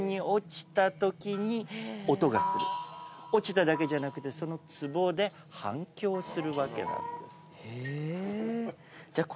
落ちただけじゃなくてそのつぼで反響するわけなんです。